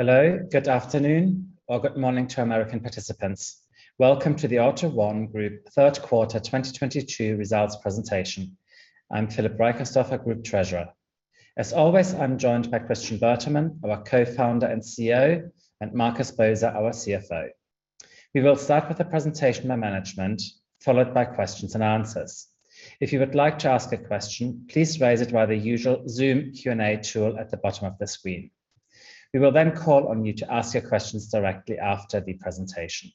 Hello, good afternoon, or good morning to American participants. Welcome to the AUTO1 Group third quarter 2022 results presentation. I'm Philip Reicherstorfer, Group Treasurer. As always, I'm joined by Christian Bertermann, our Co-Founder and CEO, and Markus Boser, our CFO. We will start with a presentation by management, followed by questions-and-answers. If you would like to ask a question, please raise it via the usual Zoom Q&A tool at the bottom of the screen. We will then call on you to ask your questions directly after the presentation.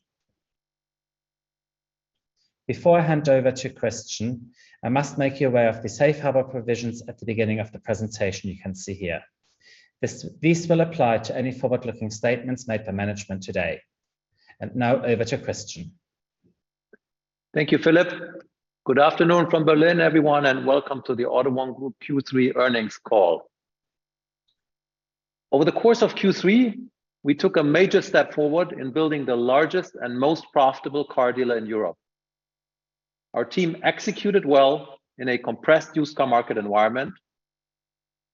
Before I hand over to Christian, I must make you aware of the safe harbor provisions at the beginning of the presentation you can see here. These will apply to any forward-looking statements made by management today. Now over to Christian. Thank you, Philip. Good afternoon from Berlin, everyone, and welcome to the AUTO1 Group Q3 earnings call. Over the course of Q3, we took a major step forward in building the largest and most profitable car dealer in Europe. Our team executed well in a compressed used car market environment,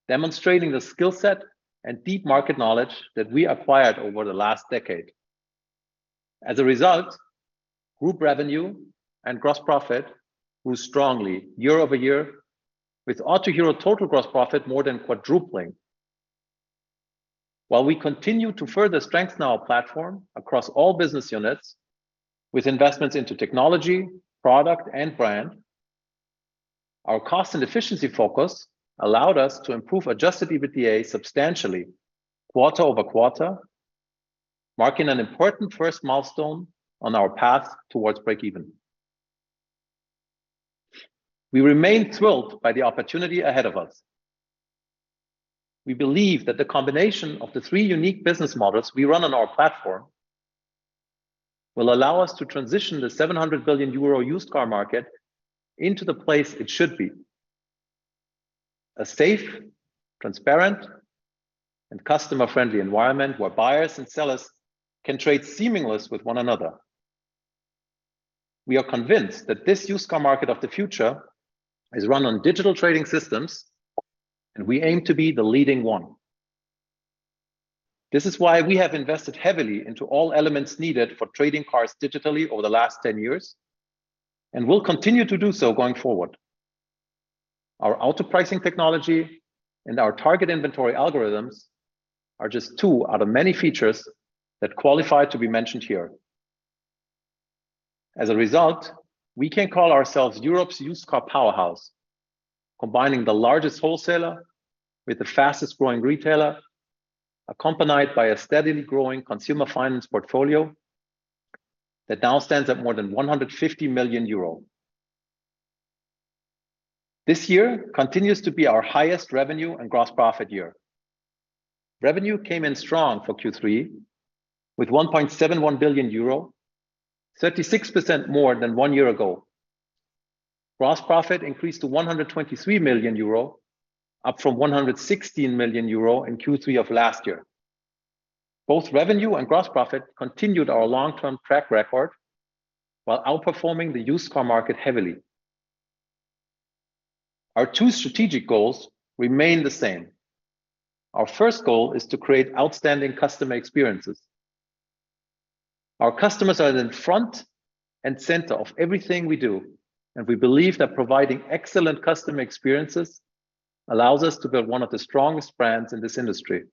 demonstrating the skill set and deep market knowledge that we acquired over the last decade. As a result, group revenue and gross profit grew strongly year-over-year, with AUTO1 total gross profit more than quadrupling. While we continue to further strengthen our platform across all business units with investments into technology, product, and brand, our cost and efficiency focus allowed us to improve adjusted EBITDA substantially quarter-over-quarter, marking an important first milestone on our path towards break even. We remain thrilled by the opportunity ahead of us. We believe that the combination of the three unique business models we run on our platform will allow us to transition the 700 billion euro used car market into the place it should be, a safe, transparent and customer-friendly environment where buyers and sellers can trade seamlessly with one another. We are convinced that this used car market of the future is run on digital trading systems, and we aim to be the leading one. This is why we have invested heavily into all elements needed for trading cars digitally over the last 10 years, and will continue to do so going forward. Our auto pricing technology and our target inventory algorithms are just two out of many features that qualify to be mentioned here. As a result, we can call ourselves Europe's used car powerhouse, combining the largest wholesaler with the fastest-growing retailer, accompanied by a steadily growing consumer finance portfolio that now stands at more than 150 million euro. This year continues to be our highest revenue and gross profit year. Revenue came in strong for Q3 with 1.71 billion euro, 36% more than one year ago. Gross profit increased to 123 million euro, up from 116 million euro in Q3 of last year. Both revenue and gross profit continued our long-term track record while outperforming the used car market heavily. Our two strategic goals remain the same. Our first goal is to create outstanding customer experiences. Our customers are in front and center of everything we do, and we believe that providing excellent customer experiences allows us to build one of the strongest brands in this industry.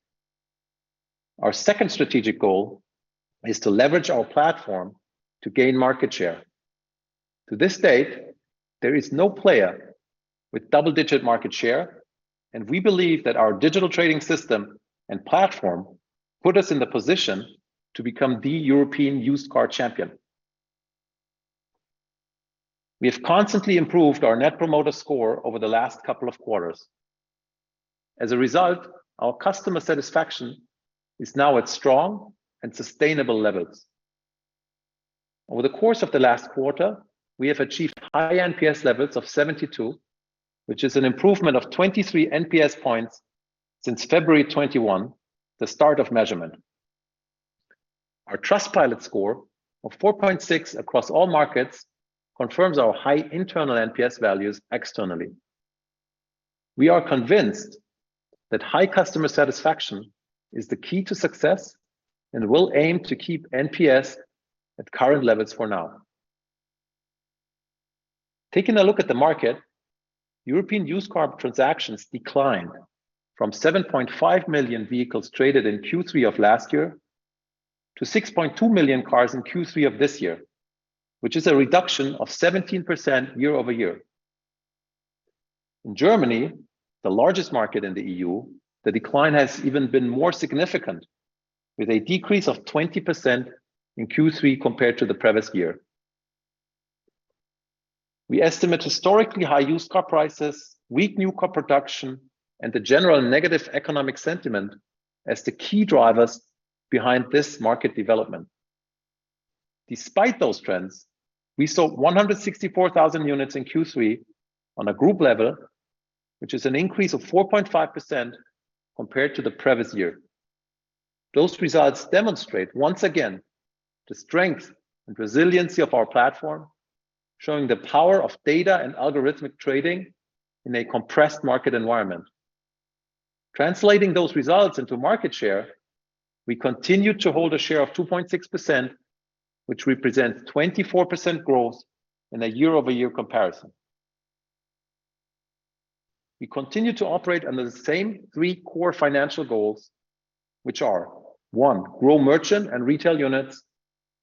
Our second strategic goal is to leverage our platform to gain market share. To date, there is no player with double-digit market share, and we believe that our digital trading system and platform put us in the position to become the European used car champion. We have constantly improved our Net Promoter Score over the last couple of quarters. As a result, our customer satisfaction is now at strong and sustainable levels. Over the course of the last quarter, we have achieved high NPS levels of 72, which is an improvement of 23 NPS points since February 2021, the start of measurement. Our Trustpilot score of 4.6 across all markets confirms our high internal NPS values externally. We are convinced that high customer satisfaction is the key to success and will aim to keep NPS at current levels for now. Taking a look at the market, European used car transactions declined from 7.5 million vehicles traded in Q3 of last year to 6.2 million cars in Q3 of this year, which is a reduction of 17% year-over-year. In Germany, the largest market in the EU, the decline has even been more significant, with a decrease of 20% in Q3 compared to the previous year. We estimate historically high used car prices, weak new car production, and the general negative economic sentiment as the key drivers behind this market development. Despite those trends, we sold 164,000 units in Q3 on a group level, which is an increase of 4.5% compared to the previous year. Those results demonstrate once again the strength and resiliency of our platform. Showing the power of data and algorithmic trading in a compressed market environment. Translating those results into market share, we continue to hold a share of 2.6%, which represents 24% growth in a year-over-year comparison. We continue to operate under the same three core financial goals, which are, one, grow merchant and retail units,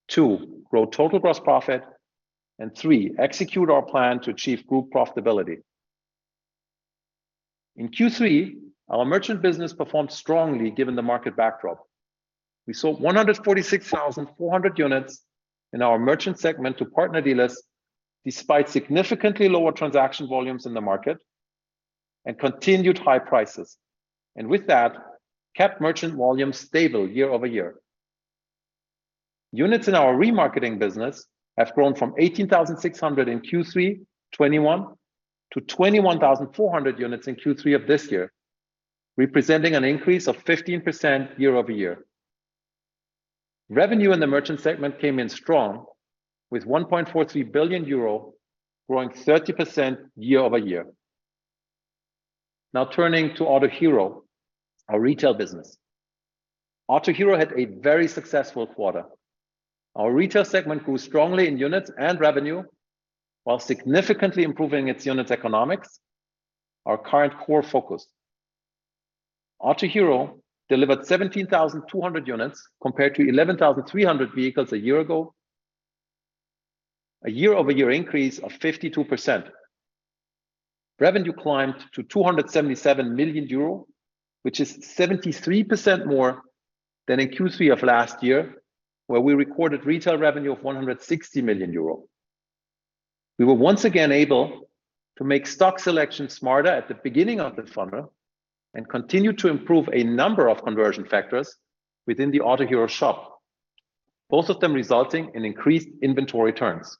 two, grow total gross profit, and three, execute our plan to achieve group profitability. In Q3, our merchant business performed strongly given the market backdrop. We sold 146,400 units in our merchant segment to partner dealers, despite significantly lower transaction volumes in the market and continued high prices, and with that, kept merchant volumes stable year-over-year. Units in our remarketing business have grown from 18,600 in Q3 2021 to 21,400 units in Q3 of this year, representing an increase of 15% year-over-year. Revenue in the merchant segment came in strong with 1.43 billion euro, growing 30% year-over-year. Now turning to Autohero, our retail business. Autohero had a very successful quarter. Our retail segment grew strongly in units and revenue, while significantly improving its units' economics, our current core focus. Autohero delivered 17,200 units compared to 11,300 vehicles a year ago. A year-over-year increase of 52%. Revenue climbed to 277 million euro, which is 73% more than in Q3 of last year, where we recorded retail revenue of 160 million euro. We were once again able to make stock selection smarter at the beginning of the funnel and continue to improve a number of conversion factors within the Autohero shop, both of them resulting in increased inventory turns.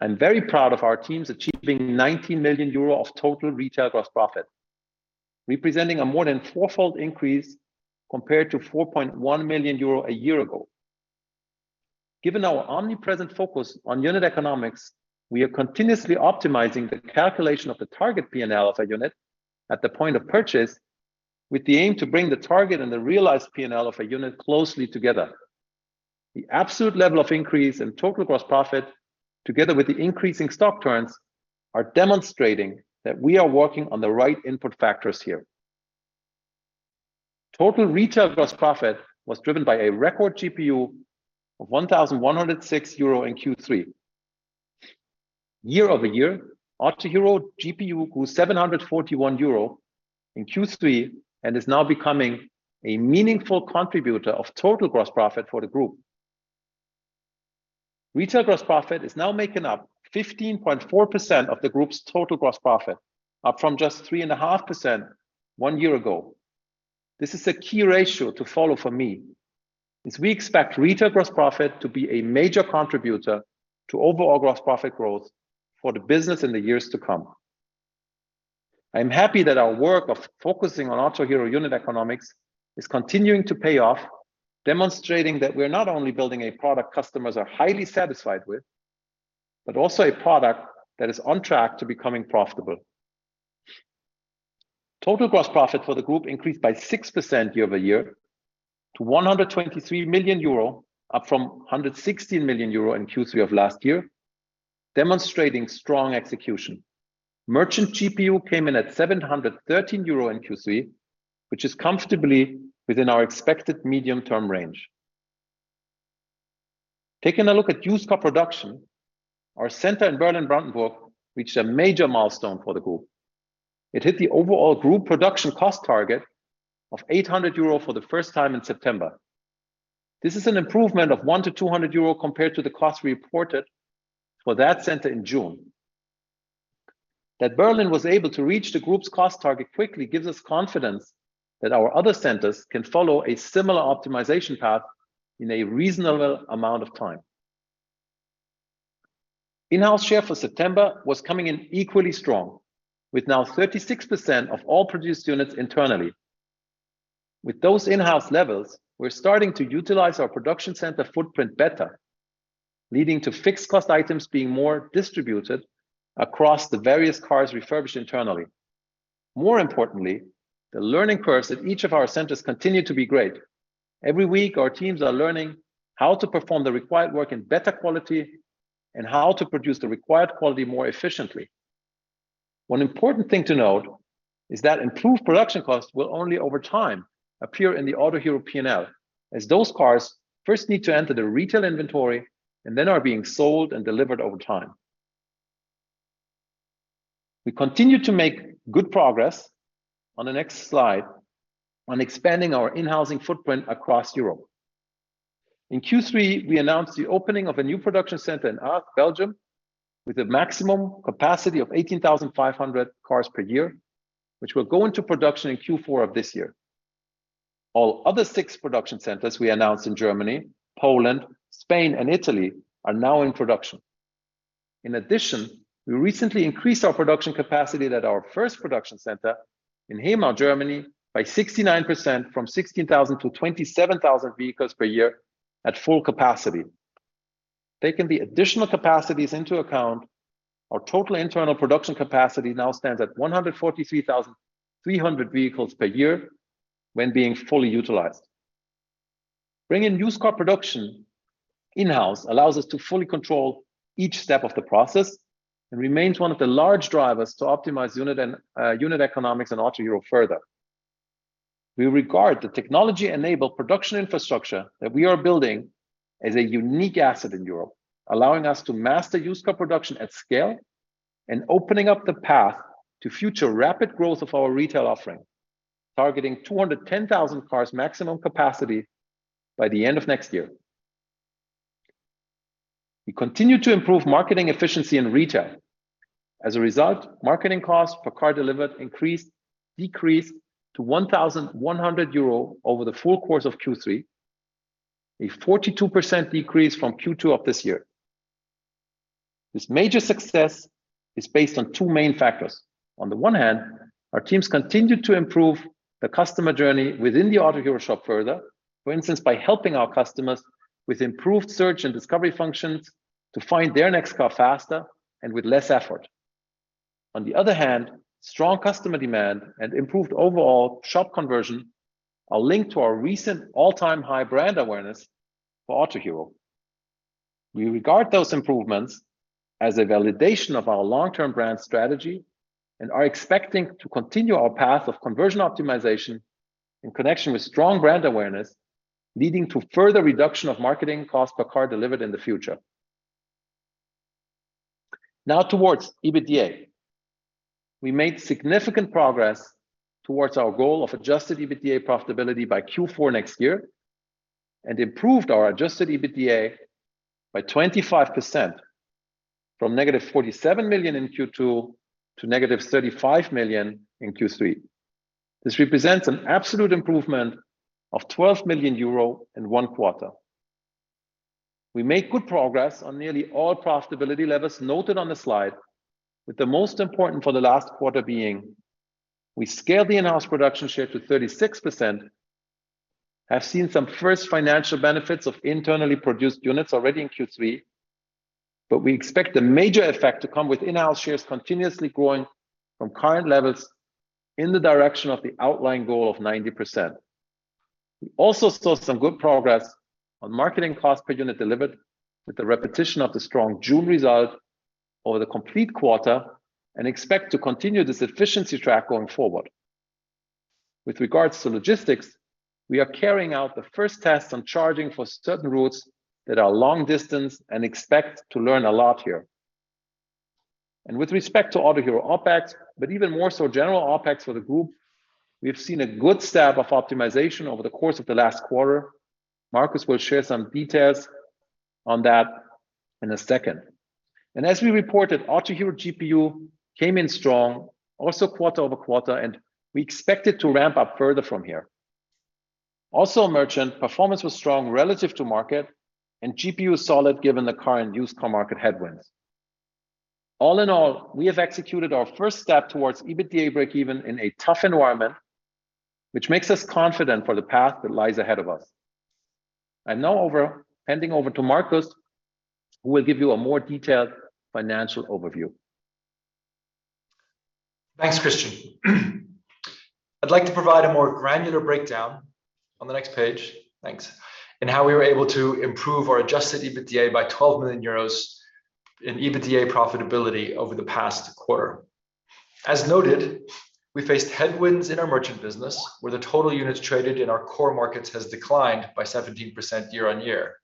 I'm very proud of our teams achieving 19 million euro of total retail gross profit, representing a more than fourfold increase compared to 4.1 million euro a year ago. Given our omnipresent focus on unit economics, we are continuously optimizing the calculation of the target P&L of a unit at the point of purchase with the aim to bring the target and the realized P&L of a unit closely together. The absolute level of increase in total gross profit, together with the increasing stock turns, are demonstrating that we are working on the right input factors here. Total retail gross profit was driven by a record GPU of 1,106 euro in Q3. Year-over-year, Autohero GPU grew 741 euro in Q3 and is now becoming a meaningful contributor of total gross profit for the group. Retail gross profit is now making up 15.4% of the group's total gross profit, up from just 3.5% one year ago. This is a key ratio to follow for me, as we expect retail gross profit to be a major contributor to overall gross profit growth for the business in the years to come. I'm happy that our work of focusing on Autohero unit economics is continuing to pay off, demonstrating that we're not only building a product customers are highly satisfied with, but also a product that is on track to becoming profitable. Total gross profit for the group increased by 6% year-over-year to 123 million euro, up from 116 million euro in Q3 of last year, demonstrating strong execution. Merchant GPU came in at 713 euro in Q3, which is comfortably within our expected medium-term range. Taking a look at used car production, our center in Berlin-Brandenburg reached a major milestone for the group. It hit the overall group production cost target of 800 euro for the first time in September. This is an improvement of 100-200 euro compared to the cost reported for that center in June. That Berlin was able to reach the group's cost target quickly gives us confidence that our other centers can follow a similar optimization path in a reasonable amount of time. In-house share for September was coming in equally strong, with now 36% of all produced units internally. With those in-house levels, we're starting to utilize our production center footprint better, leading to fixed cost items being more distributed across the various cars refurbished internally. More importantly, the learning curves at each of our centers continue to be great. Every week, our teams are learning how to perform the required work in better quality and how to produce the required quality more efficiently. One important thing to note is that improved production costs will only over time appear in the Autohero P&L, as those cars first need to enter the retail inventory and then are being sold and delivered over time. We continue to make good progress on the next slide on expanding our in-house footprint across Europe. In Q3, we announced the opening of a new production center in Ath, Belgium, with a maximum capacity of 18,500 cars per year, which will go into production in Q4 of this year. All other six production centers we announced in Germany, Poland, Spain, and Italy are now in production. In addition, we recently increased our production capacity at our first production center in Hemau, Germany, by 69% from 16,000-27,000 vehicles per year at full capacity. Taking the additional capacities into account, our total internal production capacity now stands at 143,300 vehicles per year when being fully utilized. Bringing used car production in-house allows us to fully control each step of the process and remains one of the large drivers to optimize unit and unit economics in Autohero further. We regard the technology-enabled production infrastructure that we are building as a unique asset in Europe, allowing us to master used car production at scale and opening up the path to future rapid growth of our retail offering, targeting 210,000 cars maximum capacity by the end of next year. We continue to improve marketing efficiency in retail. As a result, marketing costs per car delivered decreased to 1,100 euro over the full course of Q3, a 42% decrease from Q2 of this year. This major success is based on two main factors. On the one hand, our teams continued to improve the customer journey within the Autohero shop further, for instance, by helping our customers with improved search and discovery functions to find their next car faster and with less effort. On the other hand, strong customer demand and improved overall shop conversion are linked to our recent all-time high brand awareness for Autohero. We regard those improvements as a validation of our long-term brand strategy and are expecting to continue our path of conversion optimization in connection with strong brand awareness, leading to further reduction of marketing cost per car delivered in the future. Now towards EBITDA. We made significant progress towards our goal of adjusted EBITDA profitability by Q4 next year and improved our adjusted EBITDA by 25% from -47 million in Q2 to -35 million in Q3. This represents an absolute improvement of 12 million euro in one quarter. We made good progress on nearly all profitability levers noted on the slide, with the most important for the last quarter being we scaled the in-house production share to 36%, have seen some first financial benefits of internally produced units already in Q3, but we expect a major effect to come with in-house shares continuously growing from current levels in the direction of the outlying goal of 90%. We also saw some good progress on marketing cost per unit delivered with the repetition of the strong June result over the complete quarter and expect to continue this efficiency track going forward. With regards to logistics, we are carrying out the first tests on charging for certain routes that are long distance and expect to learn a lot here. With respect to Autohero OpEx, but even more so general OpEx for the group, we have seen a good step of optimization over the course of the last quarter. Markus will share some details on that in a second. As we reported, Autohero GPU came in strong also quarter-over-quarter, and we expect it to ramp up further from here. Also, merchant performance was strong relative to market and GPU solid given the current used car market headwinds. All in all, we have executed our first step towards EBITDA breakeven in a tough environment, which makes us confident for the path that lies ahead of us. Handing over to Markus, who will give you a more detailed financial overview. Thanks, Christian. I'd like to provide a more granular breakdown on the next page, thanks, in how we were able to improve our adjusted EBITDA by 12 million euros in EBITDA profitability over the past quarter. As noted, we faced headwinds in our merchant business, where the total units traded in our core markets has declined by 17% year-on-year.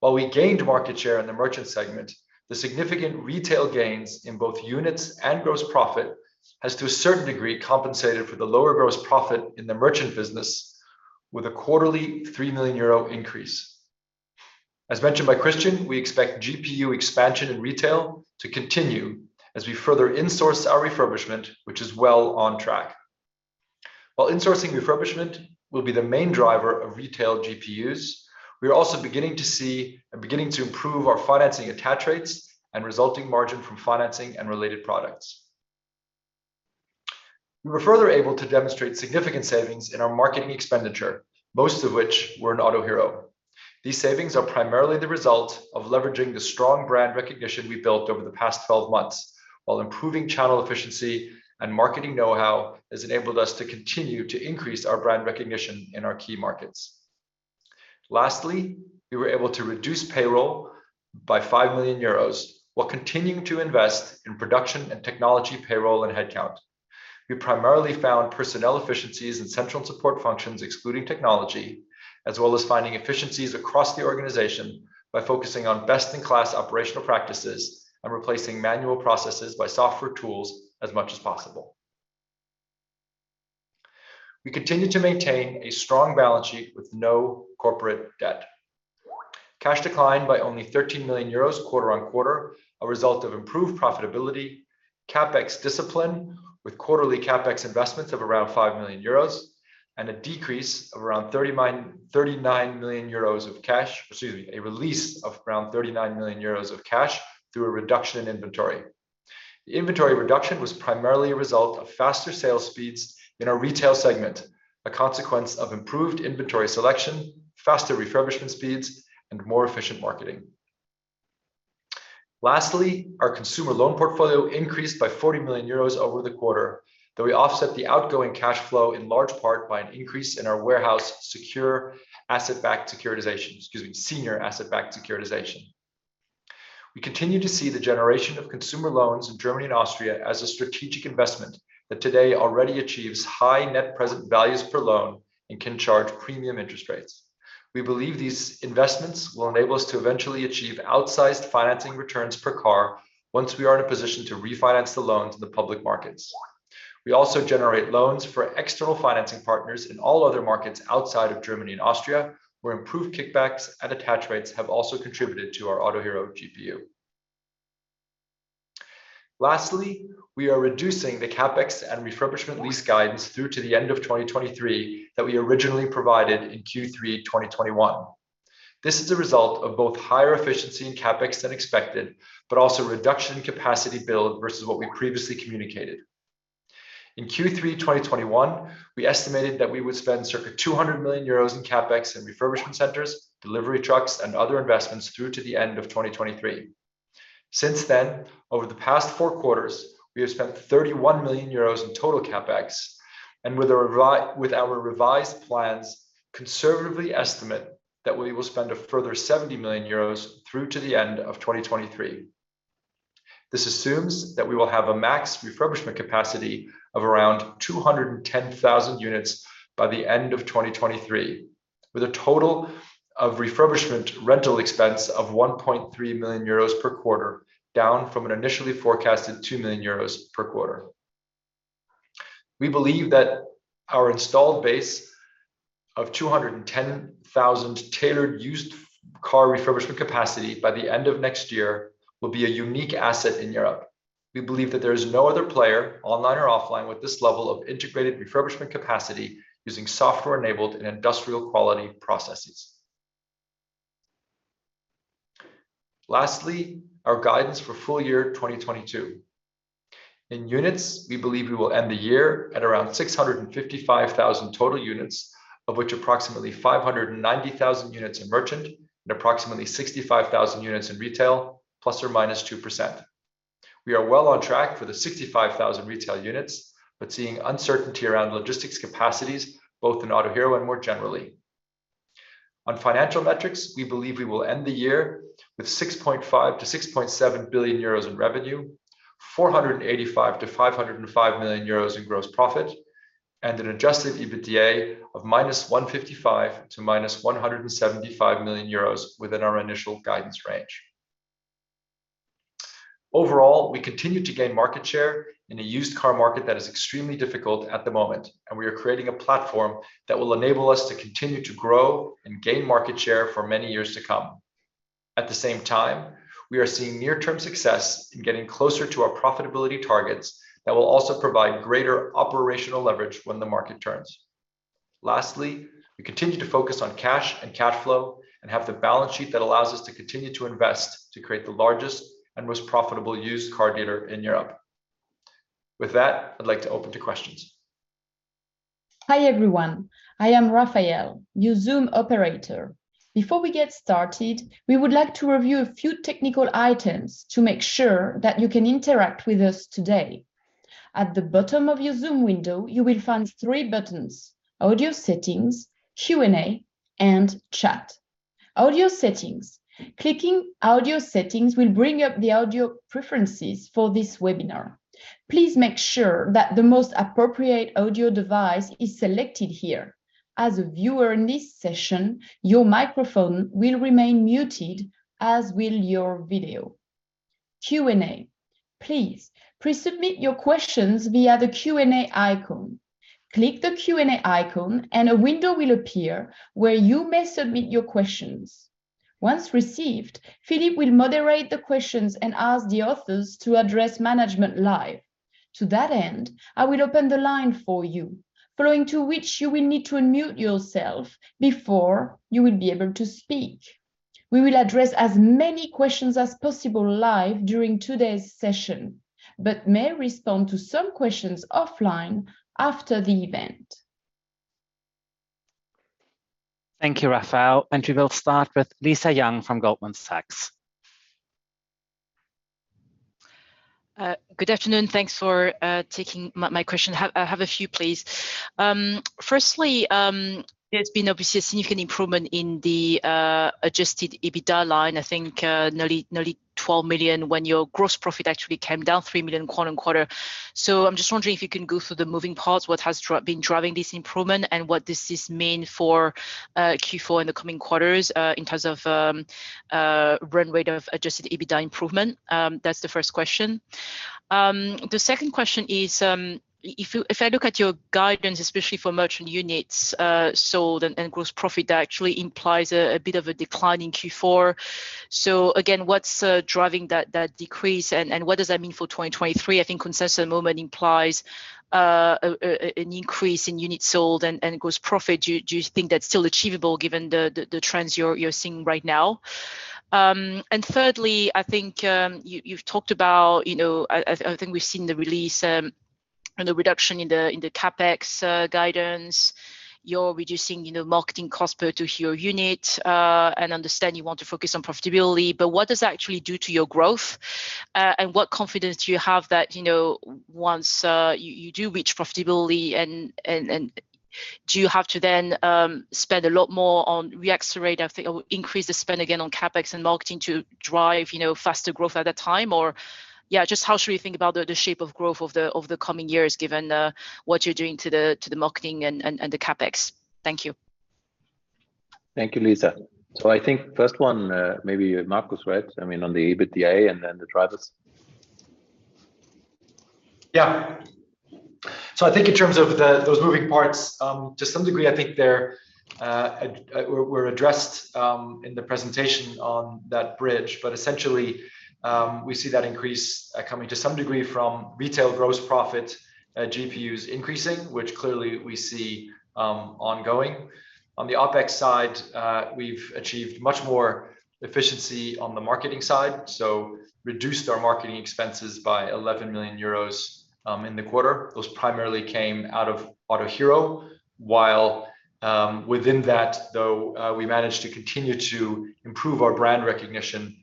While we gained market share in the merchant segment, the significant retail gains in both units and gross profit has to a certain degree compensated for the lower gross profit in the merchant business with a quarterly 3 million euro increase. As mentioned by Christian, we expect GPU expansion in retail to continue as we further insource our refurbishment, which is well on track. While insourcing refurbishment will be the main driver of retail GPUs, we are also beginning to see and beginning to improve our financing attach rates and resulting margin from financing and related products. We were further able to demonstrate significant savings in our marketing expenditure, most of which were in Autohero. These savings are primarily the result of leveraging the strong brand recognition we built over the past 12 months, while improving channel efficiency and marketing know-how has enabled us to continue to increase our brand recognition in our key markets. Lastly, we were able to reduce payroll by 5 million euros while continuing to invest in production and technology payroll and headcount. We primarily found personnel efficiencies in central support functions, excluding technology, as well as finding efficiencies across the organization by focusing on best-in-class operational practices and replacing manual processes by software tools as much as possible. We continue to maintain a strong balance sheet with no corporate debt. Cash declined by only 13 million euros quarter-on-quarter, a result of improved profitability, CapEx discipline with quarterly CapEx investments of around 5 million euros and a decrease of around 39 million euros of cash. Excuse me, a release of around 39 million euros of cash through a reduction in inventory. The inventory reduction was primarily a result of faster sales speeds in our retail segment, a consequence of improved inventory selection, faster refurbishment speeds, and more efficient marketing. Lastly, our consumer loan portfolio increased by 40 million euros over the quarter, though we offset the outgoing cash flow in large part by an increase in our warehouse senior asset-backed securitizations. Excuse me, senior asset-backed securitization. We continue to see the generation of consumer loans in Germany and Austria as a strategic investment that today already achieves high net present values per loan and can charge premium interest rates. We believe these investments will enable us to eventually achieve outsized financing returns per car once we are in a position to refinance the loans in the public markets. We also generate loans for external financing partners in all other markets outside of Germany and Austria, where improved kickbacks and attach rates have also contributed to our Autohero GPU. Lastly, we are reducing the CapEx and refurbishment lease guidance through to the end of 2023 that we originally provided in Q3 2021. This is a result of both higher efficiency in CapEx than expected, but also a reduction in capacity build versus what we previously communicated. In Q3 2021, we estimated that we would spend circa 200 million euros in CapEx and refurbishment centers, delivery trucks, and other investments through to the end of 2023. Since then, over the past four quarters, we have spent 31 million euros in total CapEx, and with our revised plans, conservatively estimate that we will spend a further 70 million euros through to the end of 2023. This assumes that we will have a max refurbishment capacity of around 210,000 units by the end of 2023, with a total of refurbishment rental expense of 1.3 million euros per quarter, down from an initially forecasted 2 million euros per quarter. We believe that our installed base of 210,000 tailored used car refurbishment capacity by the end of next year will be a unique asset in Europe. We believe that there is no other player, online or offline, with this level of integrated refurbishment capacity using software-enabled and industrial quality processes. Lastly, our guidance for full year 2022. In units, we believe we will end the year at around 655,000 total units, of which approximately 590,000 units in merchant and approximately 65,000 units in retail, ±2%. We are well on track for the 65,000 retail units, but seeing uncertainty around logistics capacities, both in Autohero and more generally. On financial metrics, we believe we will end the year with 6.5 billion-6.7 billion euros in revenue, 485 million-505 million euros in gross profit, and an adjusted EBITDA of -155 million to -175 million euros within our initial guidance range. Overall, we continue to gain market share in a used car market that is extremely difficult at the moment, and we are creating a platform that will enable us to continue to grow and gain market share for many years to come. At the same time, we are seeing near-term success in getting closer to our profitability targets that will also provide greater operational leverage when the market turns. Lastly, we continue to focus on cash and cash flow and have the balance sheet that allows us to continue to invest to create the largest and most profitable used car dealer in Europe. With that, I'd like to open to questions. Hi, everyone. I am Raphael, your Zoom operator. Before we get started, we would like to review a few technical items to make sure that you can interact with us today. At the bottom of your Zoom window, you will find three buttons: Audio Settings, Q&A, and Chat. Audio Settings. Clicking Audio Settings will bring up the audio preferences for this webinar. Please make sure that the most appropriate audio device is selected here. As a viewer in this session, your microphone will remain muted, as will your video. Q&A. Please pre-submit your questions via the Q&A icon. Click the Q&A icon and a window will appear where you may submit your questions. Once received, Philip will moderate the questions and ask the authors to address management live. To that end, I will open the line for you, following to which you will need to unmute yourself before you will be able to speak. We will address as many questions as possible live during today's session, but may respond to some questions offline after the event. Thank you, Raphael, and we will start with Lisa Yang from Goldman Sachs. Good afternoon. Thanks for taking my question. I have a few, please. Firstly, there's been obviously a significant improvement in the adjusted EBITDA line. I think nearly 12 million when your gross profit actually came down 3 million quarter-over-quarter. I'm just wondering if you can go through the moving parts, what has been driving this improvement and what does this mean for Q4 in the coming quarters in terms of run rate of adjusted EBITDA improvement? That's the first question. The second question is, if I look at your guidance, especially for merchant units sold and gross profit, that actually implies a bit of a decline in Q4. So again, what's driving that decrease and what does that mean for 2023? I think consensus at the moment implies an increase in units sold and gross profit. Do you think that's still achievable given the trends you're seeing right now? Thirdly, I think you've talked about, you know, I think we've seen the release. The reduction in the CapEx guidance, you're reducing, you know, marketing cost per unit, and I understand you want to focus on profitability. But what does that actually do to your growth, and what confidence do you have that, you know, once you do reach profitability and do you have to then spend a lot more to reaccelerate, I think or increase the spend again on CapEx and marketing to drive, you know, faster growth at that time? Or, yeah, just how should we think about the shape of growth of the coming years given what you're doing to the marketing and the CapEx? Thank you. Thank you, Lisa. I think first one, maybe Markus, right? I mean, on the EBITDA and then the drivers. Yeah. I think in terms of those moving parts, to some degree I think they were addressed in the presentation on that bridge. Essentially, we see that increase coming to some degree from retail gross profit, GPUs increasing, which clearly we see ongoing. On the OpEx side, we've achieved much more efficiency on the marketing side, so reduced our marketing expenses by 11 million euros in the quarter. Those primarily came out of Autohero, while within that though, we managed to continue to improve our brand recognition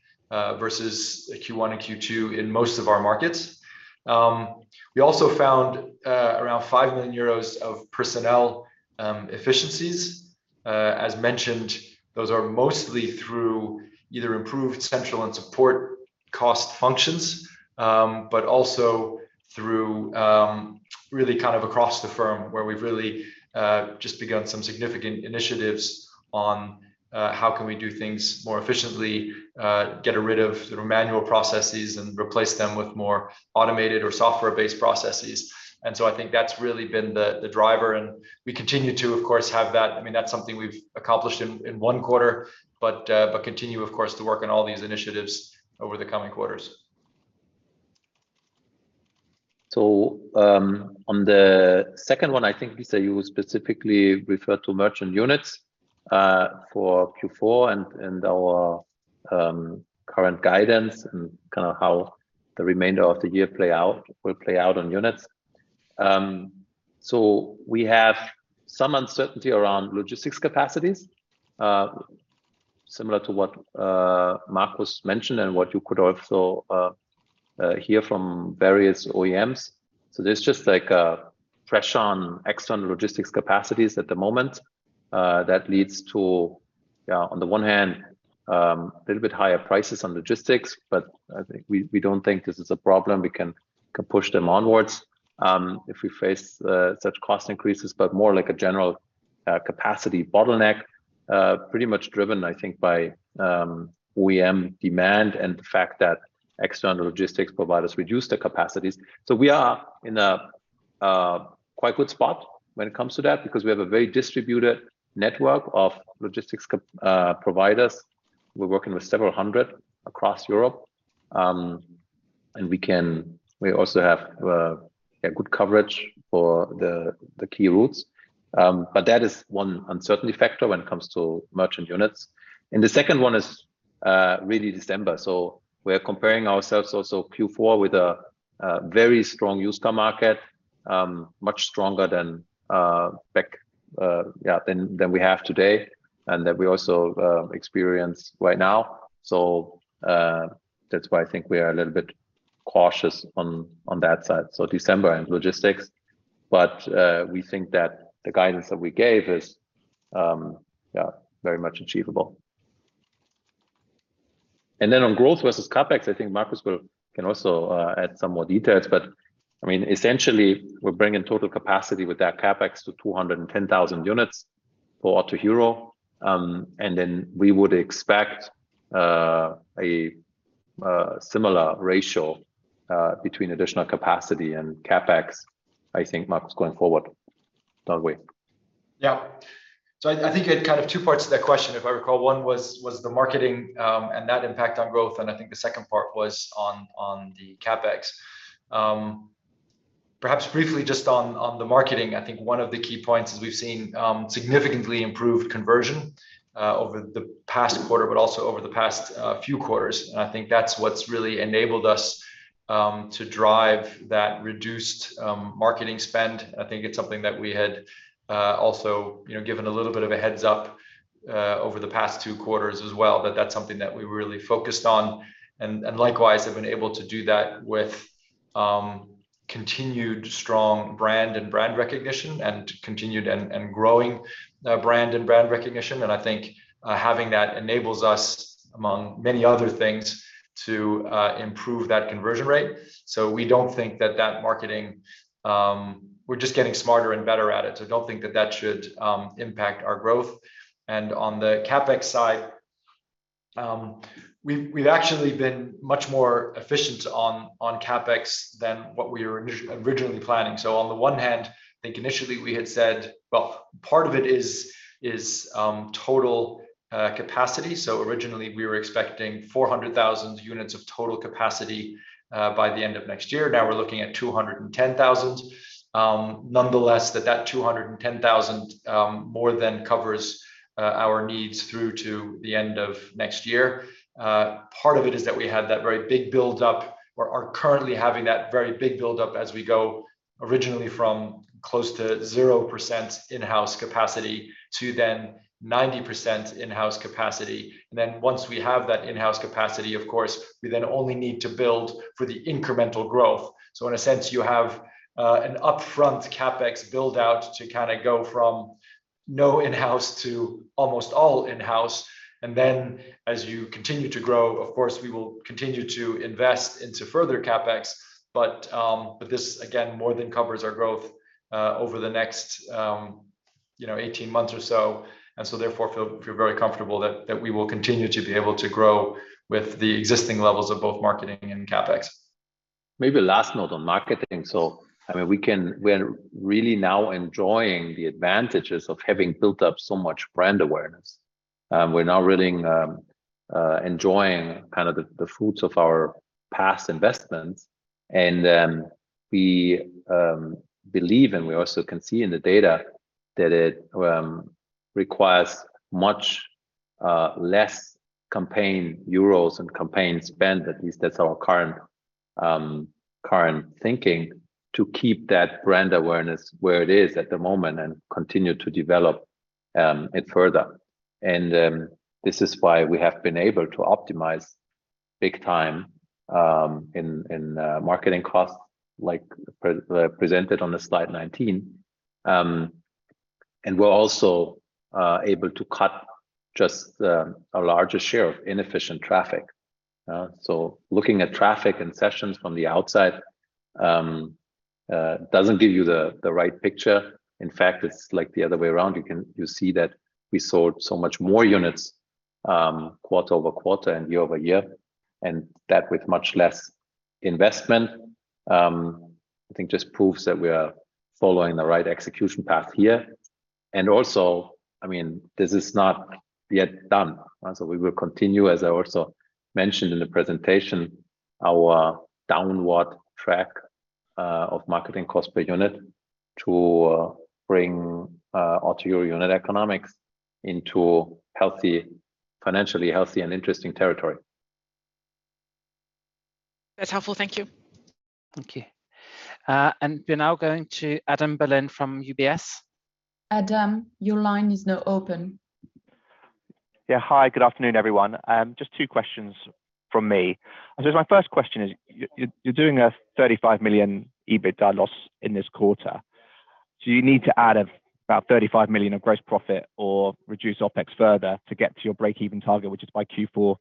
versus Q1 and Q2 in most of our markets. We also found around 5 million euros of personnel efficiencies. As mentioned, those are mostly through either improved central and support cost functions, but also through really kind of across the firm, where we've really just begun some significant initiatives on how can we do things more efficiently, get rid of the manual processes and replace them with more automated or software-based processes. I think that's really been the driver, and we continue to of course have that. I mean, that's something we've accomplished in one quarter, but continue of course to work on all these initiatives over the coming quarters. On the second one, I think, Lisa, you specifically referred to merchant units for Q4 and our current guidance and kind of how the remainder of the year will play out on units. We have some uncertainty around logistics capacities, similar to what Markus mentioned and what you could also hear from various OEMs. There's just like a pressure on external logistics capacities at the moment that leads to, on the one hand, a little bit higher prices on logistics, but I think we don't think this is a problem. We can push them onwards if we face such cost increases, but more like a general capacity bottleneck, pretty much driven, I think, by OEM demand and the fact that external logistics providers reduce the capacities. We are in a quite good spot when it comes to that because we have a very distributed network of logistics providers. We're working with several hundred across Europe, and we also have a good coverage for the key routes. But that is one uncertainty factor when it comes to merchant units. The second one is really December. We're comparing ourselves also Q4 with a very strong used car market, much stronger than back yeah than we have today and that we also experience right now. That's why I think we are a little bit cautious on that side. December and logistics. But we think that the guidance that we gave is very much achievable. On growth versus CapEx, I think Markus can also add some more details. I mean, essentially, we're bringing total capacity with that CapEx to 210,000 units for Autohero. We would expect a similar ratio between additional capacity and CapEx, I think, Markus, going forward. Don't we? Yeah. I think you had kind of two parts to that question, if I recall. One was the marketing, and that impact on growth, and I think the second part was on the CapEx. Perhaps briefly just on the marketing, I think one of the key points is we've seen significantly improved conversion over the past quarter, but also over the past few quarters. I think that's what's really enabled us to drive that reduced marketing spend. I think it's something that we had also, you know, given a little bit of a heads-up over the past two quarters as well. That's something that we really focused on and likewise have been able to do that with continued strong brand recognition and continued and growing brand recognition. I think having that enables us, among many other things, to improve that conversion rate. We don't think that that marketing we're just getting smarter and better at it, so I don't think that that should impact our growth. On the CapEx side, we've actually been much more efficient on CapEx than what we were originally planning. On the one hand, I think initially we had said. Well, part of it is total capacity. Originally, we were expecting 400,000 units of total capacity by the end of next year. Now we're looking at 210,000. Nonetheless, that 210,000 more than covers our needs through to the end of next year. Part of it is that we had that very big buildup or are currently having that very big buildup as we go originally from close to 0% in-house capacity to then 90% in-house capacity. Once we have that in-house capacity, of course, we then only need to build for the incremental growth. In a sense, you have an upfront CapEx build-out to kind of go from no in-house to almost all in-house. Then as you continue to grow, of course, we will continue to invest into further CapEx. This again more than covers our growth over the next, you know, 18 months or so. Therefore feel very comfortable that we will continue to be able to grow with the existing levels of both marketing and CapEx. Maybe last note on marketing. I mean, we're really now enjoying the advantages of having built up so much brand awareness. We're now really enjoying kind of the fruits of our past investments. We believe and we also can see in the data that it requires much less campaign euros and campaign spend, at least that's our current thinking, to keep that brand awareness where it is at the moment and continue to develop it further. This is why we have been able to optimize big time in marketing costs as presented on the slide 19. We're also able to cut out a larger share of inefficient traffic. Looking at traffic and sessions from the outside doesn't give you the right picture. In fact, it's like the other way around. You see that we sold so much more units quarter-over-quarter and year-over-year, and that with much less investment, I think just proves that we are following the right execution path here. I mean, this is not yet done. We will continue, as I also mentioned in the presentation, our downward track of marketing cost per unit to bring Autohero unit economics into healthy, financially healthy and interesting territory. That's helpful. Thank you. Thank you. We're now going to Adam Berlin from UBS. Adam, your line is now open. Yeah. Hi, good afternoon, everyone. Just two questions from me. My first question is, you're doing a 35 million EBITDA loss in this quarter. You need to add about 35 million of gross profit or reduce OpEx further to get to your breakeven target, which is by Q4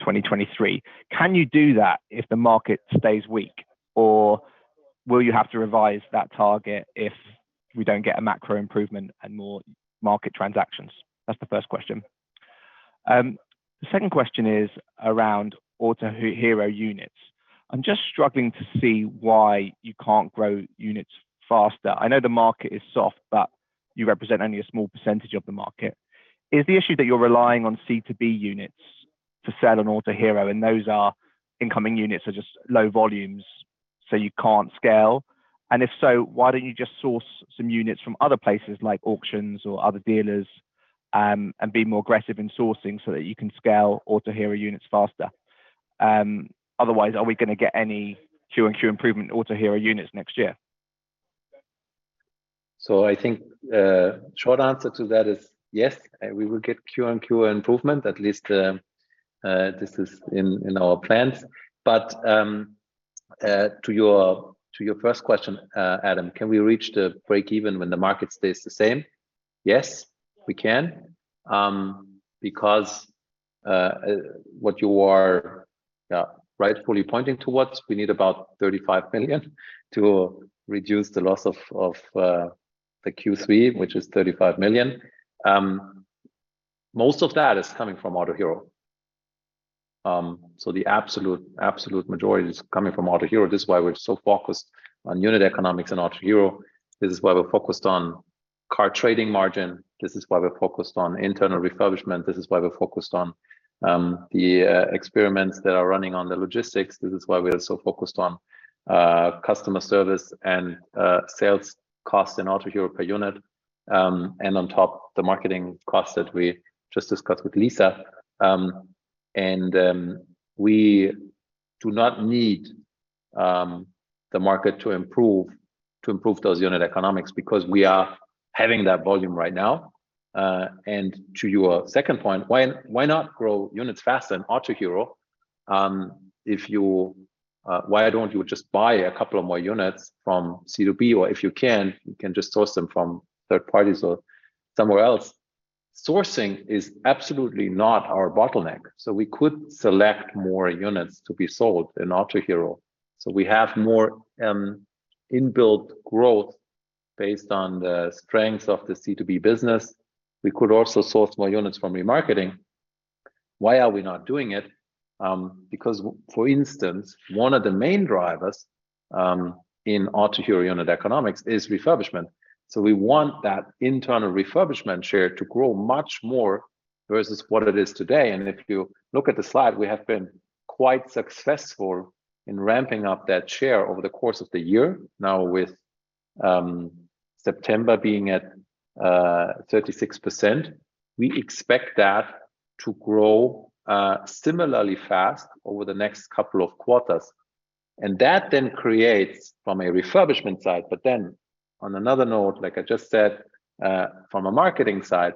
2023. Can you do that if the market stays weak? Or will you have to revise that target if we don't get a macro improvement and more market transactions? That's the first question. The second question is around Autohero units. I'm just struggling to see why you can't grow units faster. I know the market is soft, but you represent only a small percentage of the market. Is the issue that you're relying on C2B units to sell on Autohero, and those incoming units are just low volumes, so you can't scale? And if so, why don't you just source some units from other places like auctions or other dealers, and be more aggressive in sourcing so that you can scale Autohero units faster? Otherwise, are we gonna get any quarter-on-quarter improvement Autohero units next year? I think short answer to that is yes, we will get quarter-on-quarter improvement. At least this is in our plans. To your first question, Adam, can we reach the breakeven when the market stays the same? Yes, we can because what you are rightfully pointing towards, we need about 35 million to reduce the loss of the Q3, which is 35 million. Most of that is coming from Autohero. The absolute majority is coming from Autohero. This is why we're so focused on unit economics in Autohero. This is why we're focused on car trading margin. This is why we're focused on internal refurbishment. This is why we're focused on the experiments that are running on the logistics. This is why we are so focused on customer service and sales costs in Autohero per unit, and on top the marketing costs that we just discussed with Lisa. We do not need the market to improve to improve those unit economics because we are having that volume right now. To your second point, why not grow units faster in Autohero? Why don't you just buy a couple more units from C2B, or if you can, you can just source them from third parties or somewhere else. Sourcing is absolutely not our bottleneck. We could select more units to be sold in Autohero. We have more inbuilt growth based on the strength of the C2B business. We could also source more units from remarketing. Why are we not doing it? Because, for instance, one of the main drivers in Autohero unit economics is refurbishment. We want that internal refurbishment share to grow much more versus what it is today. If you look at the slide, we have been quite successful in ramping up that share over the course of the year. Now with September being at 36%, we expect that to grow similarly fast over the next couple of quarters. That then creates from a refurbishment side, but then on another note, like I just said, from a marketing side,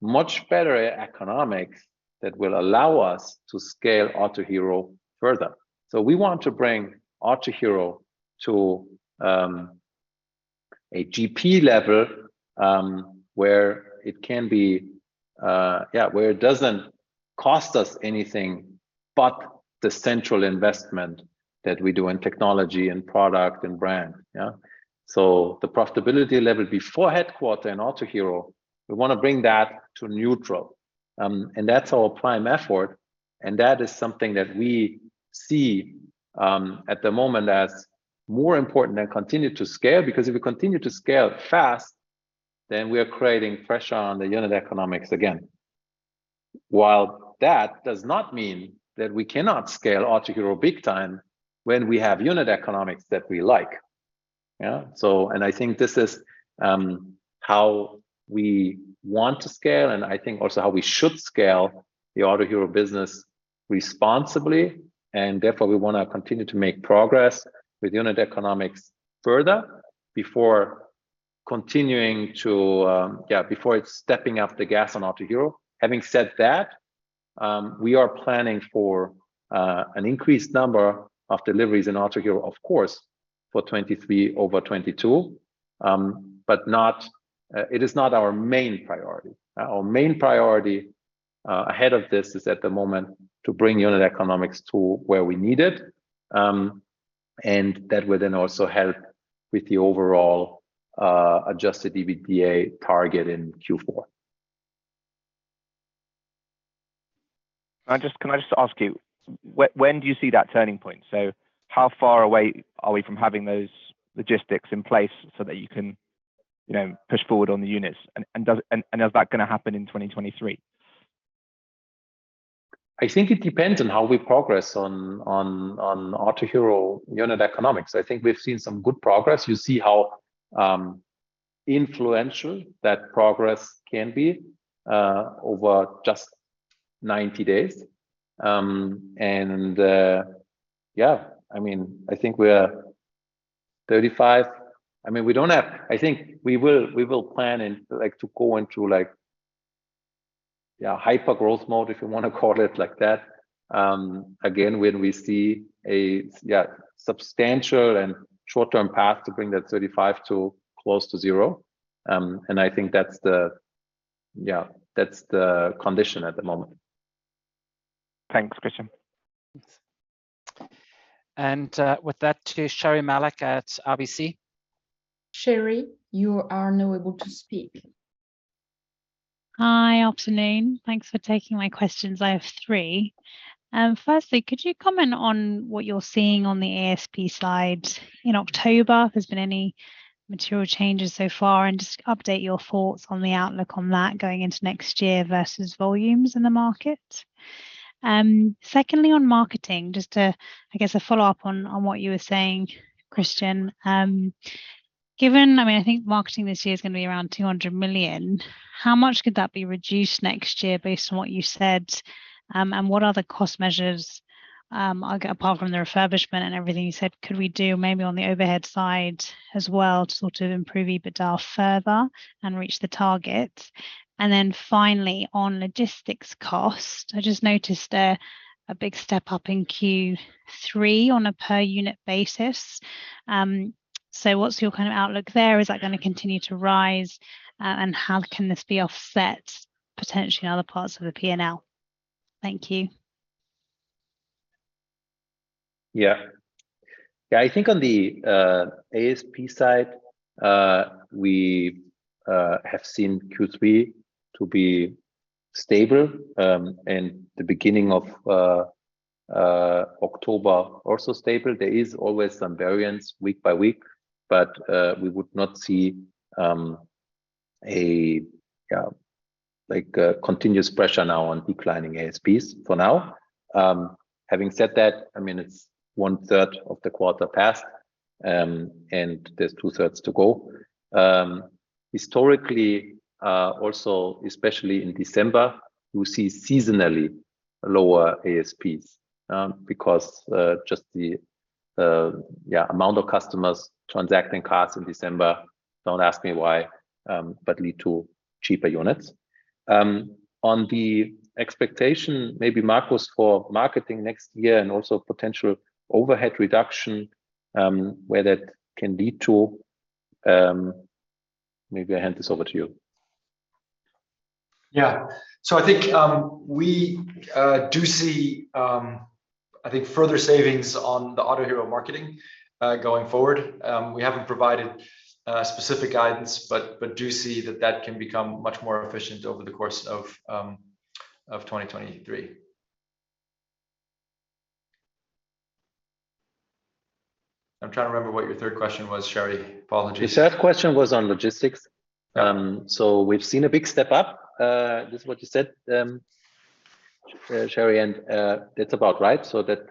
much better economics that will allow us to scale Autohero further. We want to bring Autohero to a GP level where it can be, yeah, where it doesn't cost us anything but the central investment that we do in technology, in product, in brand, yeah. The profitability level before headquarters and Autohero, we want to bring that to neutral. That's our prime effort, and that is something that we see at the moment as more important than continue to scale. Because if we continue to scale fast, then we are creating pressure on the unit economics again. While that does not mean that we cannot scale Autohero big time when we have unit economics that we like, yeah? I think this is how we want to scale, and I think also how we should scale the Autohero business responsibly, and therefore we want to continue to make progress with unit economics further before stepping up the gas on Autohero. Having said that, we are planning for an increased number of deliveries in Autohero, of course, for 2023 over 2022. But, it is not our main priority. Our main priority, ahead of this, is at the moment to bring unit economics to where we need it, and that will then also help with the overall adjusted EBITDA target in Q4. Can I just ask you, when do you see that turning point? How far away are we from having those logistics in place so that you can, you know, push forward on the units? Is that gonna happen in 2023? I think it depends on how we progress on Autohero unit economics. I think we've seen some good progress. You see how influential that progress can be over just 90 days. Yeah. I mean, I think we are 35. I mean, we don't have. I think we will plan and like to go into like yeah, hyper-growth mode, if you wanna call it like that, again, when we see a yeah, substantial and short-term path to bring that 35 to close to zero. I think that's the yeah, that's the condition at the moment. Thanks, Christian. We're now going to Sherri Malek at RBC. Sherri, you are now able to speak. Hi. Afternoon. Thanks for taking my questions. I have three. Firstly, could you comment on what you're seeing on the ASP slides in October? Has there been any material changes so far? Just update your thoughts on the outlook on that going into next year versus volumes in the market. Secondly, on marketing, just to, I guess, a follow-up on what you were saying, Christian. Given I mean, I think marketing this year is gonna be around 200 million. How much could that be reduced next year based on what you said? What other cost measures, apart from the refurbishment and everything you said, could we do maybe on the overhead side as well to sort of improve EBITDA further and reach the target? Finally, on logistics cost, I just noticed a big step up in Q3 on a per unit basis. What's your kind of outlook there? Is that gonna continue to rise? How can this be offset potentially in other parts of the P&L? Thank you. Yeah, I think on the ASP side, we have seen Q3 to be stable, and the beginning of October also stable. There is always some variance week by week, but we would not see a continuous pressure now on declining ASPs for now. Having said that, I mean, it's 1/3 of the quarter passed, and there's 2/3 to go. Historically, also especially in December, you see seasonally lower ASPs, because just the amount of customers transacting cars in December, don't ask me why, but lead to cheaper units. On the expectation, maybe Markus, for marketing next year and also potential overhead reduction, where that can lead to, maybe I hand this over to you. I think we do see I think further savings on the Autohero marketing going forward. We haven't provided specific guidance, but do see that can become much more efficient over the course of 2023. I'm trying to remember what your third question was, Sherri. Apologies. The third question was on logistics. We've seen a big step up, just what you said. Sherri, and it's about right, so that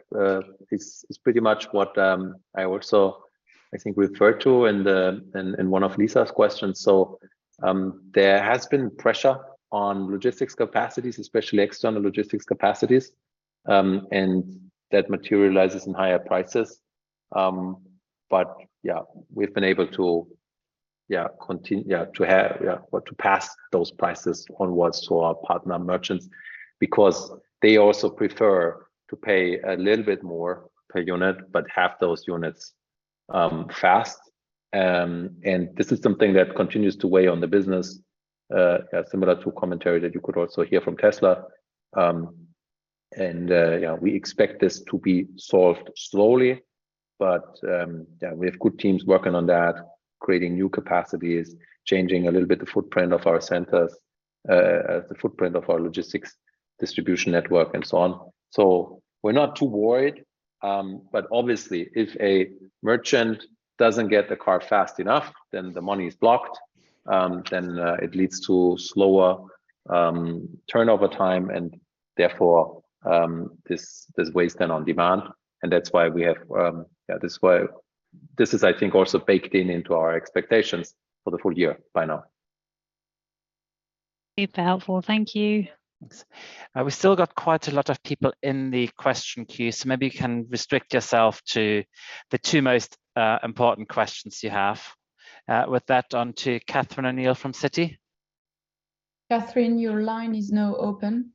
is pretty much what I also think referred to in one of Lisa's questions. There has been pressure on logistics capacities, especially external logistics capacities, and that materializes in higher prices. Yeah, we've been able to pass those prices onwards to our partner merchants because they also prefer to pay a little bit more per unit but have those units fast. This is something that continues to weigh on the business, similar to commentary that you could also hear from Tesla. Yeah, we expect this to be solved slowly, but we have good teams working on that, creating new capacities, changing a little bit the footprint of our centers, the footprint of our logistics distribution network and so on. We're not too worried, but obviously if a merchant doesn't get the car fast enough, then the money is blocked, then it leads to slower turnover time, and therefore there's waste then on demand, and that's why this is, I think, also baked into our expectations for the full year by now. Super helpful. Thank you. Thanks. We still got quite a lot of people in the question queue, so maybe you can restrict yourself to the two most important questions you have. With that, on to Catherine O'Neill from Citi. Catherine, your line is now open.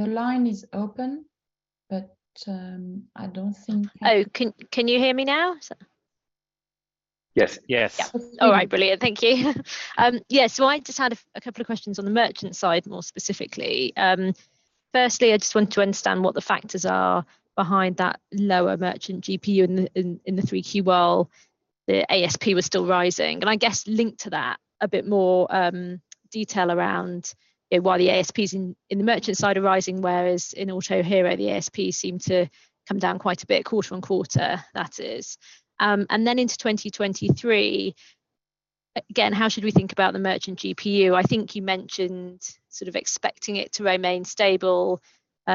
The line is open, but, I don't think- Oh, can you hear me now? Yes. Yes. Yeah. All right, brilliant. Thank you. I just had a couple of questions on the merchant side, more specifically. Firstly, I just want to understand what the factors are behind that lower merchant GPU in the 3Q while the ASP was still rising. I guess linked to that, a bit more detail around, you know, why the ASPs in the merchant side are rising, whereas in Autohero, the ASPs seem to come down quite a bit quarter-on-quarter, that is. Then into 2023, again, how should we think about the merchant GPU? I think you mentioned sort of expecting it to remain stable,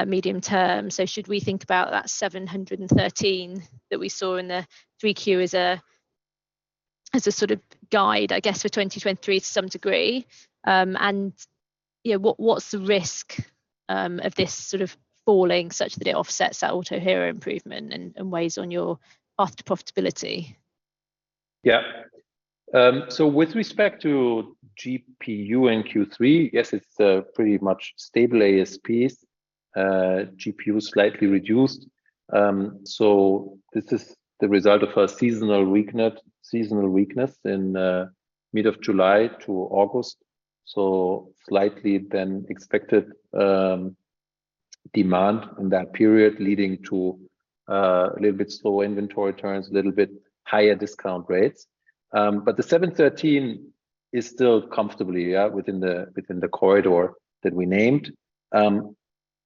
medium term. Should we think about that 713 that we saw in the 3Q as a sort of guide, I guess, for 2023 to some degree? What's the risk of this sort of falling such that it offsets that Autohero improvement and weighs on your EBITDA profitability? Yeah. With respect to GPU in Q3, yes, it's pretty much stable ASPs. GPU slightly reduced. This is the result of a seasonal weakness in mid-July to August, slightly lower than expected demand in that period, leading to a little bit slower inventory turns, a little bit higher discount rates. The 713 is still comfortably, yeah, within the corridor that we named.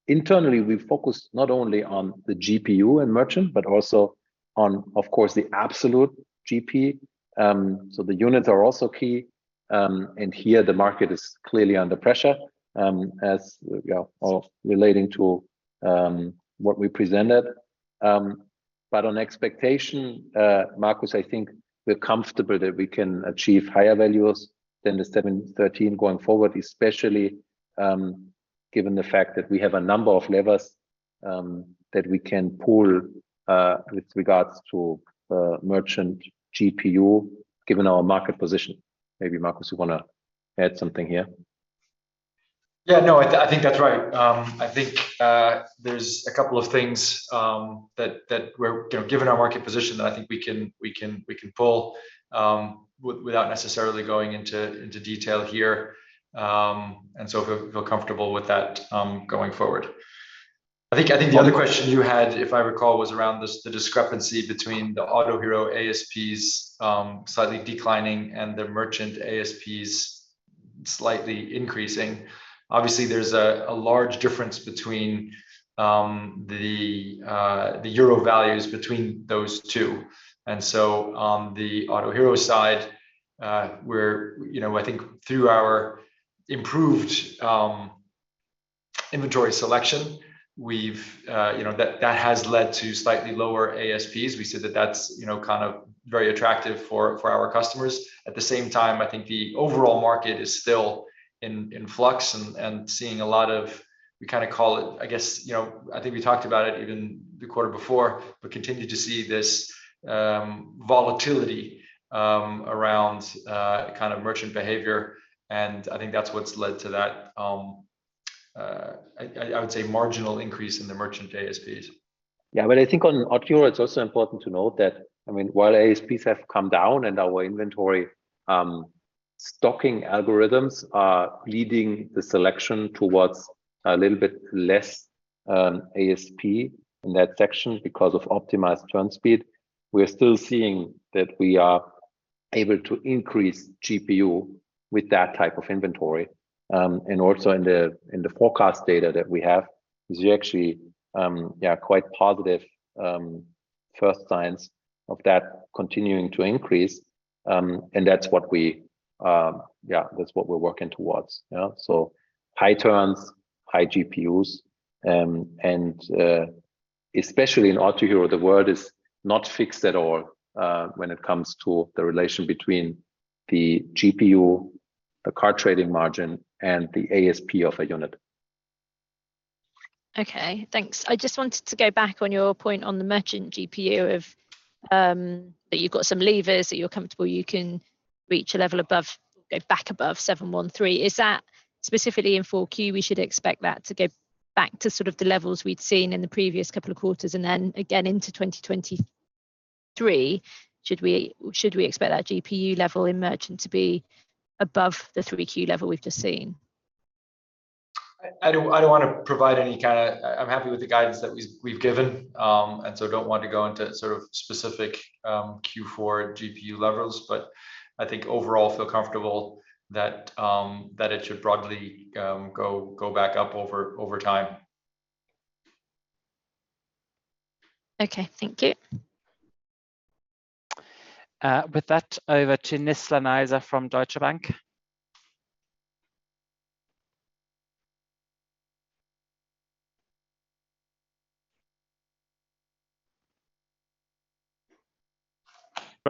Internally, we focused not only on the GPU and merchant, but also on, of course, the absolute GP. The units are also key. Here the market is clearly under pressure, as you know, regarding what we presented. On expectation, Markus, I think we're comfortable that we can achieve higher values than the 713 going forward, especially, given the fact that we have a number of levers that we can pull with regards to merchant GPU, given our market position. Maybe, Markus, you wanna add something here? Yeah, no, I think that's right. I think there's a couple of things that, given our market position, I think we can pull without necessarily going into detail here and so feel comfortable with that going forward. I think the other question you had, if I recall, was around the discrepancy between the Autohero ASPs slightly declining and the merchant ASPs slightly increasing. Obviously, there's a large difference between the euro values between those two. On the Autohero side, you know, I think through our improved inventory selection, we've you know that has led to slightly lower ASPs. We said that that's you know kind of very attractive for our customers. At the same time, I think the overall market is still in flux and seeing a lot of, we kinda call it, I guess, you know, I think we talked about it even the quarter before, but continue to see this volatility around kind of merchant behavior, and I think that's what's led to that, I would say marginal increase in the merchant ASPs. Yeah. I think on Autohero, it's also important to note that, I mean, while ASPs have come down and our inventory stocking algorithms are leading the selection towards a little bit less ASP in that section because of optimized turn speed, we're still seeing that we are able to increase GPU with that type of inventory. And also in the forecast data that we have is actually quite positive first signs of that continuing to increase. That's what we're working towards. Yeah. high turns, high GPUs. Especially in Autohero, the world is not fixed at all when it comes to the relation between the GPU, the car trading margin, and the ASP of a unit. Okay, thanks. I just wanted to go back on your point on the merchant GPU of that you've got some levers that you're comfortable you can reach a level above or go back above 713. Is that specifically in 4Q we should expect that to go back to sort of the levels we'd seen in the previous couple of quarters? And then again into 2023, should we expect that GPU level in merchant to be above the 3Q level we've just seen? I'm happy with the guidance that we've given and so don't want to go into sort of specific Q4 GPU levels. I think overall feel comfortable that it should broadly go back up over time. Okay. Thank you. With that over to Nizla Naizer from Deutsche Bank.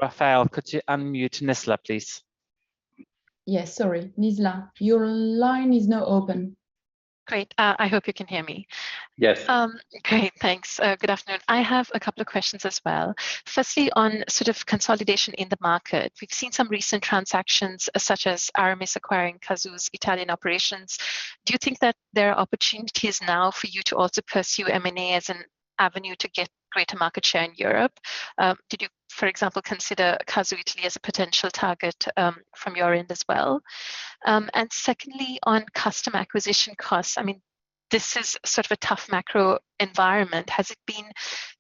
Raphael, could you unmute Nizla, please? Yes. Sorry, Nizla, your line is now open. Great, I hope you can hear me. Yes. Great, thanks. Good afternoon. I have a couple of questions as well. Firstly, on sort of consolidation in the market. We've seen some recent transactions such as Aramis acquiring Cazoo's Italian operations. Do you think that there are opportunities now for you to also pursue M&A as an avenue to get greater market share in Europe? Did you, for example, consider Cazoo Italy as a potential target, from your end as well? Secondly, on customer acquisition costs, I mean, this is sort of a tough macro environment. Has it been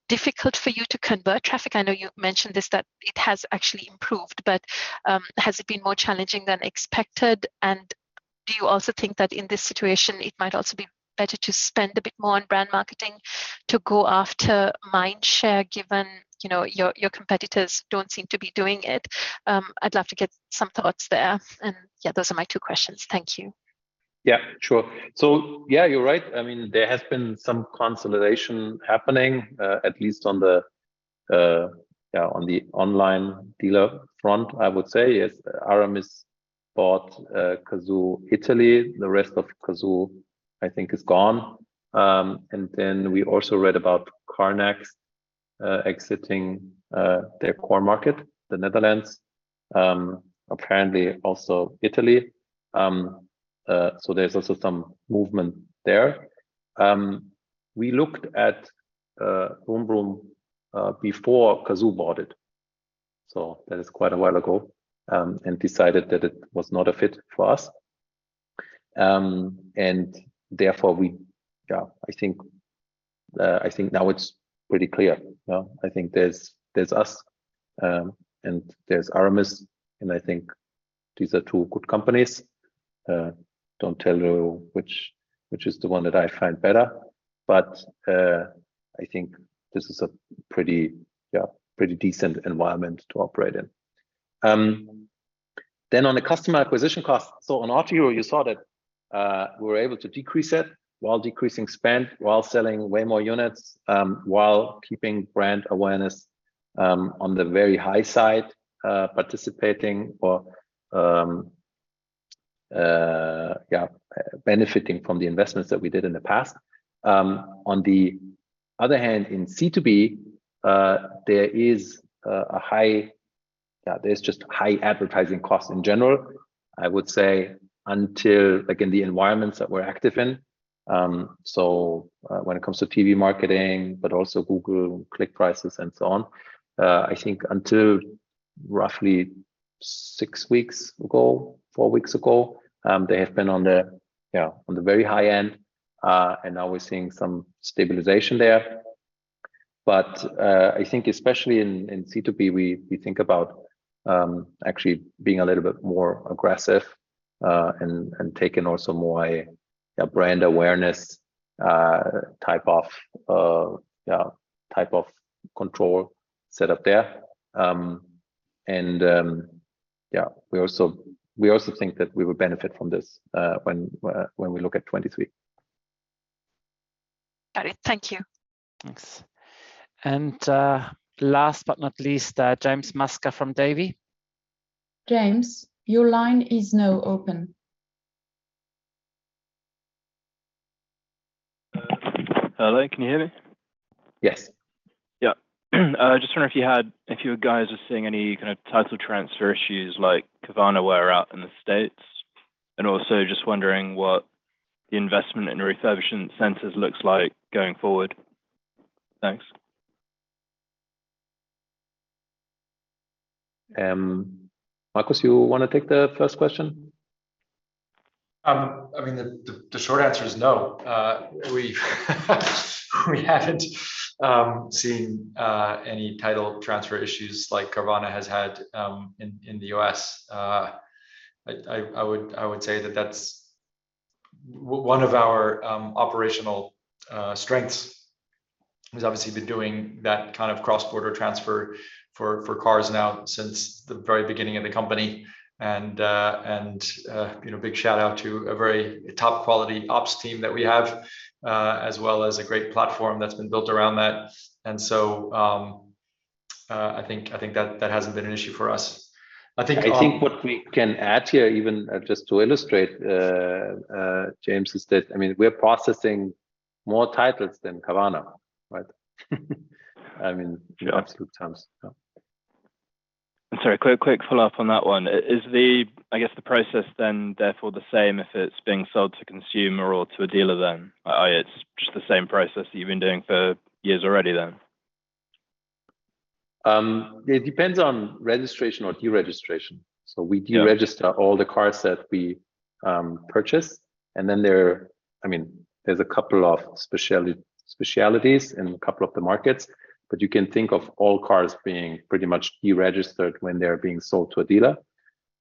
difficult for you to convert traffic? I know you mentioned this, that it has actually improved, but, has it been more challenging than expected? Do you also think that in this situation it might also be better to spend a bit more on brand marketing to go after mind share, given, you know, your competitors don't seem to be doing it? I'd love to get some thoughts there. Yeah, those are my two questions. Thank you. Yeah, sure. Yeah, you're right. I mean, there has been some consolidation happening, at least on the online dealer front, I would say. Yes, Aramis bought Cazoo Italy. The rest of Cazoo, I think, is gone. We also read about CarNext exiting their core market, the Netherlands, apparently also Italy. There's also some movement there. We looked at brumbrum before Cazoo bought it, so that is quite a while ago, and decided that it was not a fit for us. Therefore we, yeah, I think now it's pretty clear. Yeah. I think there's us and there's Aramis, and I think these are two good companies. Don't tell you which is the one that I find better, but I think this is a pretty, yeah, pretty decent environment to operate in. On the customer acquisition cost, so on Autohero, you saw that we were able to decrease it while decreasing spend, while selling way more units, while keeping brand awareness on the very high side, participating or benefiting from the investments that we did in the past. On the other hand, in C2B, there is a high. Yeah, there's just high advertising costs in general, I would say, until like in the environments that we're active in. When it comes to TV marketing, but also Google click prices and so on, I think until roughly six weeks ago, four weeks ago, they have been on the very high end, and now we're seeing some stabilization there. I think especially in C2B, we think about actually being a little bit more aggressive, and taking also more a brand awareness type of control set up there. We also think that we would benefit from this, when we look at 2023. Got it. Thank you. Thanks. Last but not least, James Musker from Davy. James, your line is now open. Hello. Can you hear me? Yes. I was just wondering if you guys are seeing any kind of title transfer issues like Carvana were out in the States. Also just wondering what the investment in refurbishment centers looks like going forward. Thanks. Markus, you wanna take the first question? I mean, the short answer is no. We haven't seen any title transfer issues like Carvana has had in the U.S. I would say that that's one of our operational strengths. We've obviously been doing that kind of cross-border transfer for cars now since the very beginning of the company. You know, big shout out to a very top quality ops team that we have, as well as a great platform that's been built around that. I think that hasn't been an issue for us. I think I think what we can add here, even just to illustrate, James's statement, I mean, we're processing more titles than Carvana, right? I mean, absolute terms. Sorry, quick follow-up on that one. Is the, I guess, the process then therefore the same if it's being sold to a consumer or to a dealer then? Or it's just the same process that you've been doing for years already then? It depends on registration or de-registration. We de-register all the cars that we purchase. I mean, there's a couple of specialties in a couple of the markets, but you can think of all cars being pretty much de-registered when they're being sold to a dealer.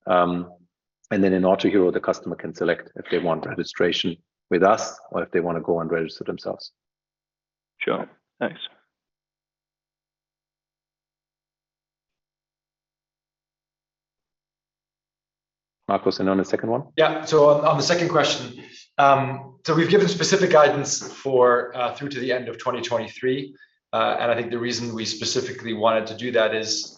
In Autohero, the customer can select if they want registration with us or if they wanna go and register themselves. Sure. Thanks. Markus, on the second one? On the second question. We've given specific guidance for through to the end of 2023. I think the reason we specifically wanted to do that is,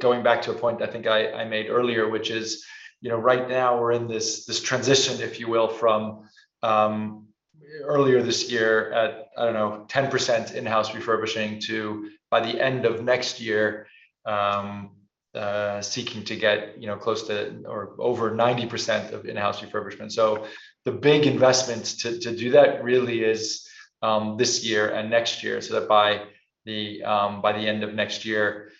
going back to a point I think I made earlier, which is, you know, right now we're in this transition, if you will, from earlier this year at, I don't know, 10% in-house refurbishing to, by the end of next year, seeking to get, you know, close to or over 90% of in-house refurbishment. The big investment to do that really is this year and next year, so that by the end of next year,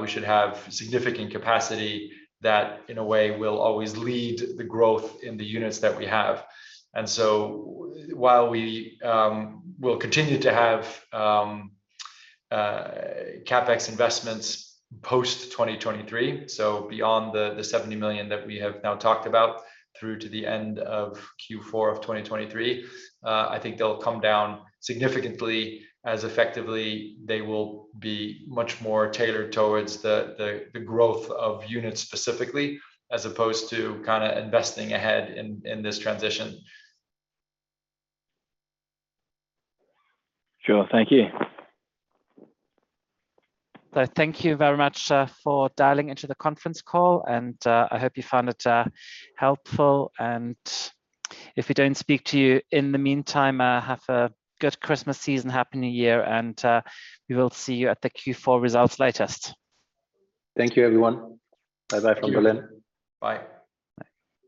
we should have significant capacity that, in a way, will always lead the growth in the units that we have. While we will continue to have CapEx investments post-2023, so beyond the 70 million that we have now talked about through to the end of Q4 of 2023, I think they'll come down significantly as effectively they will be much more tailored towards the growth of units specifically as opposed to kinda investing ahead in this transition. Sure. Thank you. Thank you very much for dialing into the conference call and I hope you found it helpful. If we don't speak to you in the meantime, have a good Christmas season, Happy New Year, and we will see you at the Q4 results latest. Thank you, everyone. Bye-bye from Berlin. Thank you. Bye. Bye.